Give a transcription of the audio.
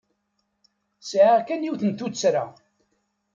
Sɛiɣ kan yiwet n tuttra.